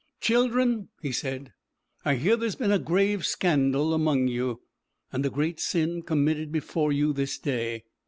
'Children,' he said, 'I hear there has been a grave scandal among you, and a great sin committed before you this day.